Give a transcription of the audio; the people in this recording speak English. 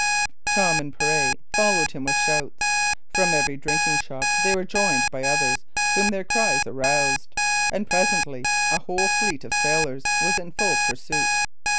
Tom and Pirret followed him with shouts; from every drinking shop they were joined by others whom their cries aroused; and presently a whole fleet of sailors was in full pursuit.